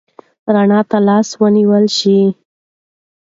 رڼا ته لاس ونیول شو.